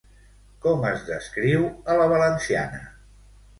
Com es descriu a la valenciana?